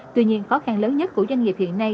tuy nhiên khó khăn lớn nhất của doanh nghiệp hiện nay